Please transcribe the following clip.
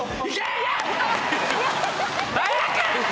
早く！